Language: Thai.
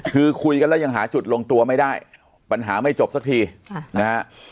คือคุยกันแล้วยังหาจุดลงตัวไม่ได้ปัญหาไม่จบสักทีนะฮะ